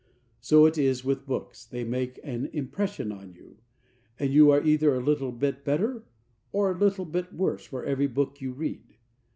So it is with books, they make an impression on you; and you are either a little bit better or a little bit worse for every book you read.